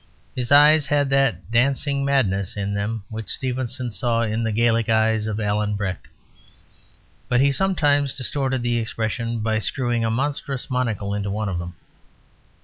His eyes had that "dancing madness" in them which Stevenson saw in the Gaelic eyes of Alan Breck; but he sometimes distorted the expression by screwing a monstrous monocle into one of them.